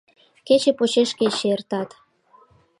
Кече почеш кече эртат.